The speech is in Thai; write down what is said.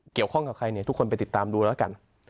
เกี่ยวข้องกับใครเนี่ยทุกคนไปติดตามดูแล้วกัน